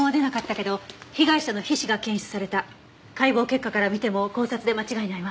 解剖結果から見ても絞殺で間違いないわ。